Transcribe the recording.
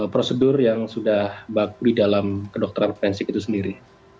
prosedur yang sudah di dalam kedokteran forensik itu sendiri